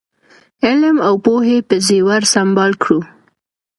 علم او پوهې په زېور سمبال کړو.